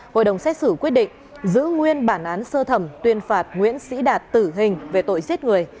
hội đồng xét xử quyết định giữ nguyên bản án sơ thẩm tuyên phạt nguyễn sĩ đạt tử hình về tội giết người